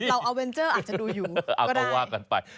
เราอาเวนเจอร์อาจจะดูอยู่ก็ได้